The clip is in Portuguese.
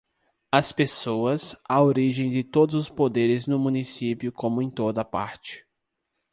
As pessoas, a origem de todos os poderes no município como em toda parte.